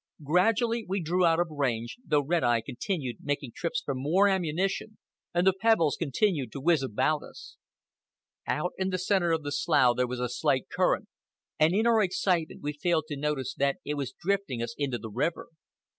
Gradually we drew out of range, though Red Eye continued making trips for more ammunition and the pebbles continued to whiz about us. Out in the centre of the slough there was a slight current, and in our excitement we failed to notice that it was drifting us into the river.